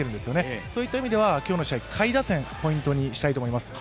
そういった意味では今日の試合下位打線ポイントにしたいと思います。